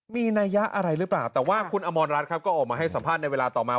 มีนัยยะอะไรหรือเปล่าแต่ว่าคุณอมรรัฐครับก็ออกมาให้สัมภาษณ์ในเวลาต่อมา